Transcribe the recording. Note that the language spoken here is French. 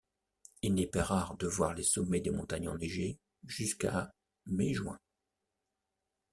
Il n'est pas rare de voir les sommets des montagnes enneigés jusqu'à mai-juin.